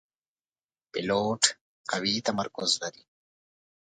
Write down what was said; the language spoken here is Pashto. پیلوټ قوي تمرکز لري.